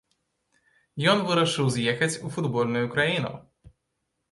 Ён вырашыў з'ехаць у футбольную краіну.